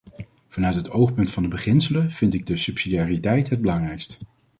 Vanuit het oogpunt van de beginselen vind ik de subsidiariteit het belangrijkst.